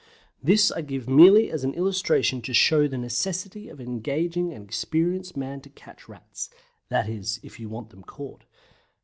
This I give merely as an illustration to show the necessity of engaging an experienced man to catch Rats that is, if you want them caught.